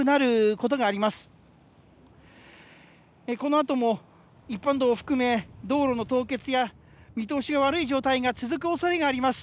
このあとも一般道を含め、道路の凍結や見通しが悪い状態が続くおそれがあります。